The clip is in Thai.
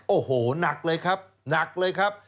โอ้โหหนักเลยครับหนักเลยครับ